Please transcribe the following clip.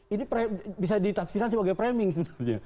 ini bisa ditafsirkan sebagai framing sebenarnya